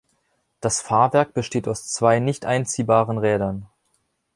Das Fahrwerk besteht aus zwei nicht einziehbaren Rädern.